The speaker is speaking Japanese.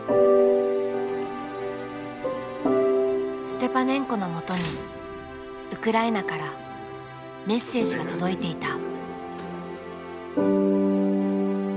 ステパネンコのもとにウクライナからメッセージが届いていた。